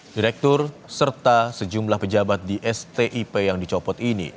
direktur serta sejumlah pejabat di stip yang dicopot ini